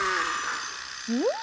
うん？